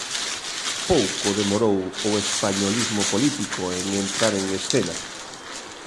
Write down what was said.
Pouco demorou o españolismo político en entrar en escena.